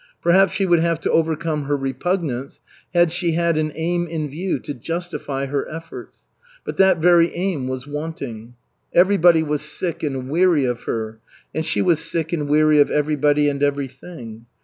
Perhaps she would have overcome her repugnance had she had an aim in view to justify her efforts, but that very aim was wanting. Everybody was sick and weary of her, and she was sick and weary of everybody and everything.